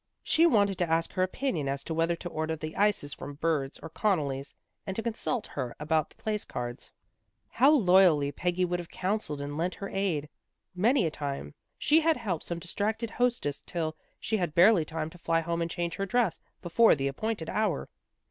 She wanted to ask her opinion as to whether to order the ices from Bird's or Connally's, and to consult her about the place cards. How loyally Peggy would have counselled and lent her aid. Many A BELATED INVITATION 263 a time she had helped some distracted hostess till she had barely time to fly home and change her dress before the appointed hour.